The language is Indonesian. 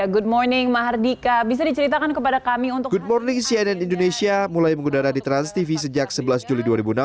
good morning cnn indonesia mulai menggunakan transtv sejak sebelas juli dua ribu enam belas